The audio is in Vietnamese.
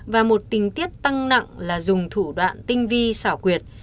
và một tình tiết tăng nặng là dùng thủ đoạn tinh vi xảo quyệt